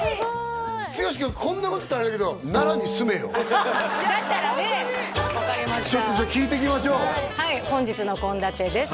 剛君こんなこと言ったらあれだけどだったらねホントにちょっとじゃあ聞いていきましょう本日の献立です